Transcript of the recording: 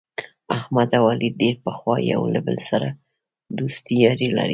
احمد او علي ډېر پخوا یو له بل سره دوستي یاري لري.